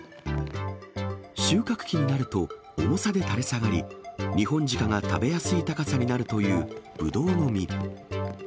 収穫期になると重さで垂れ下がり、ニホンジカが食べやすい高さになるというブドウの実。